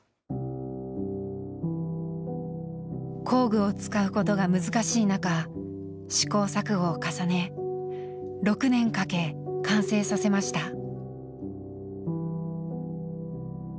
工具を使うことが難しい中試行錯誤を重ね６年かけ完成させました。